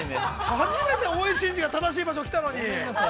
◆初めて、おいしんじが正しい場所に来たのに。